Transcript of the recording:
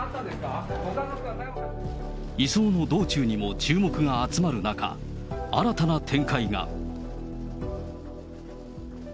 移送の道中にも注目が集まる中、新たな展開が。